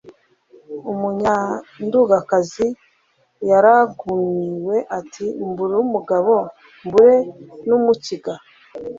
Umunyandugakazi yaragumiwe ati: mbure umugabo mbure n’umukiga?